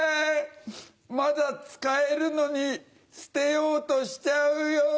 まだ使えるのに捨てようとしちゃうよ。